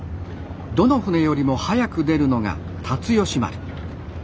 どの船よりも早く出るのが竜喜丸。